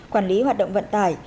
quản lý hoạt động vận tải